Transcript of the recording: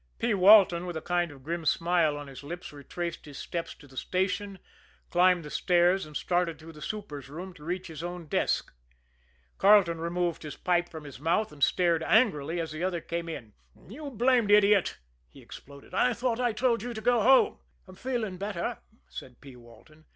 P. Walton, with a kind of grim smile on his lips, retraced his steps to the station, climbed the stairs, and started through the super's room to reach his own desk. Carleton removed his pipe from his mouth, and stared angrily as the other came in. "You blamed idiot!" he exploded. "I thought I told you to go home!" "I'm feeling better," said P. Walton.